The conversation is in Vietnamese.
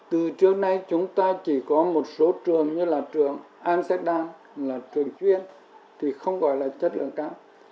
từ trước nay chúng ta chỉ có một số trường như là trưởng amsterdam là trường chuyên thì không gọi là chất lượng cao